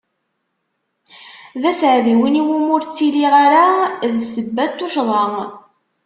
D aseɛdi win iwumi ur ttiliɣ ara d ssebba n tuccḍa.